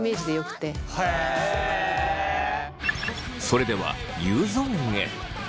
それではＵゾーンへ。